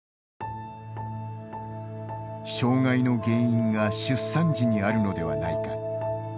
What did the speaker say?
障害の原因が出産時にあるのではないか。